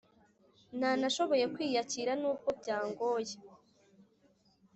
Ntanashoboye kwiyakira nubwo byangoye